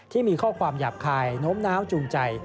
ที่มีข้อความหยาบคายโน้มน้าวจูงใจ